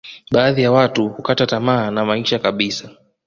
baadhi ya watu hukata tamaa ya maisha kabisa